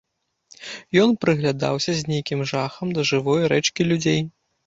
Ён прыглядаўся з нейкім жахам да жывой рэчкі людзей.